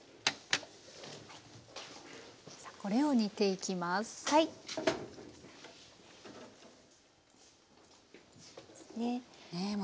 さあこれを煮ていきます。